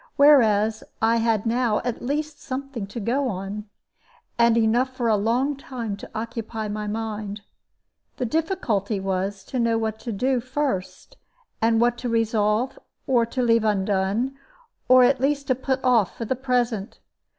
Whereas I had now at least something to go upon, and enough for a long time to occupy my mind. The difficulty was to know what to do first, and what to resolve to leave undone, or at least to put off for the present.